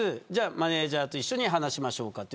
マネジャーと話しましょうかと。